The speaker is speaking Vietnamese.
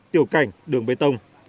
tiểu cảnh đường bê tông